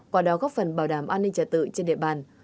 qua đó góp phần bảo đảm an ninh trả tự trên địa bàn